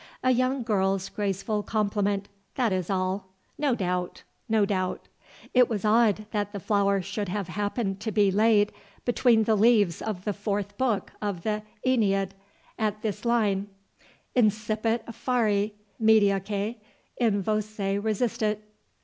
A young girl's graceful compliment, that is all, no doubt, no doubt. It was odd that the flower should have happened to be laid between the leaves of the Fourth Book of the "AEneid," and at this line, "Incipit effari, mediaque in voce resistit."